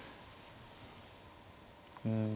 うん。